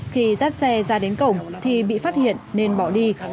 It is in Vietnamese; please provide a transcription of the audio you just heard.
khi dắt xe ra đến cổng thì bị phát hiện nên bỏ đi